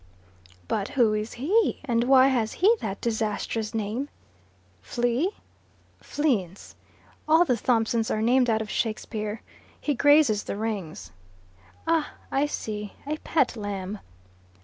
"But who is he, and why has he that disastrous name?" "Flea? Fleance. All the Thompsons are named out of Shakespeare. He grazes the Rings." "Ah, I see. A pet lamb."